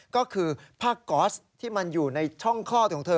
ก็คือผ้าก๊อสที่มันอยู่ในช่องคลอดของเธอ